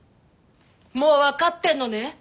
もう分かってんのね？